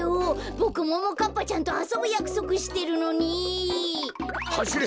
ボクももかっぱちゃんとあそぶやくそくしてるのに。はしれ！